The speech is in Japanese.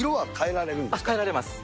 変えられます。